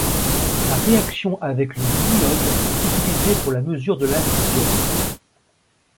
La réaction avec le diiode est utilisée pour la mesure de l'indice d'iode.